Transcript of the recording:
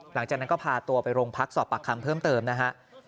หลังจากนั้นก็พาตัวไปโรงพักสอบปากคำเพิ่มเติมนะฮะ